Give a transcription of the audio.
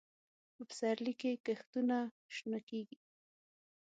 په پسرلي کې کښتونه شنه کېږي.